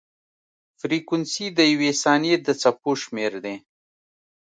فریکونسي د یوې ثانیې د څپو شمېر دی.